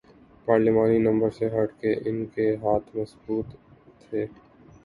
پارلیمانی نمبروں سے ہٹ کے ان کے ہاتھ مضبوط تھے۔